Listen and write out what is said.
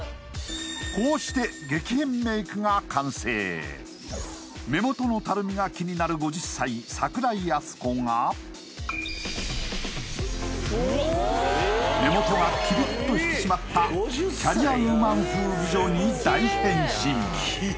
こうして目元のたるみが気になる５０歳櫻井淳子が目元がキリッと引き締まったキャリアウーマン風美女に大変身